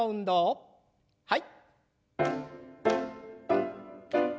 はい。